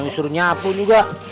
suruh nyapu juga